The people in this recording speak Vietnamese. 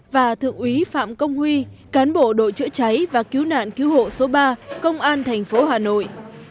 và thượng úy phạm công huy cán bộ đội chữa cháy và cứu nạn cứu hộ số ba công an tp hà nội